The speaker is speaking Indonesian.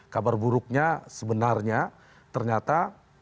kabar buruknya sebenarnya ternyata